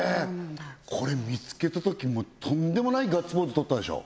これ見つけたときもうとんでもないガッツポーズとったでしょ？